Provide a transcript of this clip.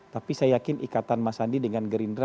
tapi saya yakin ikatan mas andi dengan gerindra